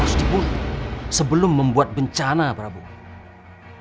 harus dibunuh sebelum membuat bencana prabowo